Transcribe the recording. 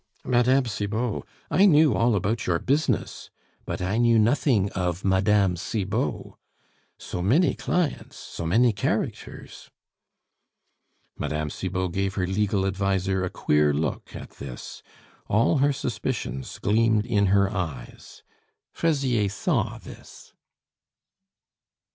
"Mme. Cibot, I knew all about your business, but I knew nothing of Mme. Cibot. So many clients, so many characters " Mme. Cibot gave her legal adviser a queer look at this; all her suspicions gleamed in her eyes. Fraisier saw this.